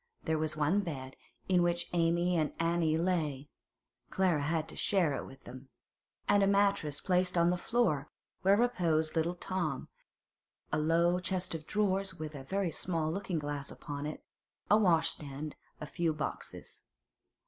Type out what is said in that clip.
There was one bed, in which Amy and Annie lay (Clara had to share it with them), and a mattress placed on the floor, where reposed little Tom; a low chest of drawers with a very small looking glass upon it, a washstand, a few boxes.